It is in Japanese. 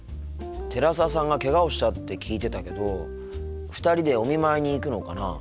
寺澤さんがけがをしたって聞いてたけど２人でお見舞いに行くのかなあ。